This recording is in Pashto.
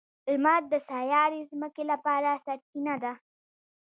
• لمر د سیارې ځمکې لپاره سرچینه ده.